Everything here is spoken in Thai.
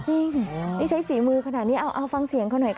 จริงนี่ใช้ฝีมือขนาดนี้เอาฟังเสียงเขาหน่อยค่ะ